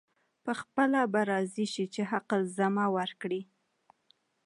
پخپله به راضي شي حق الزحمه ورکړي.